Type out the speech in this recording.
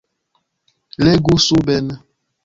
Legu suben.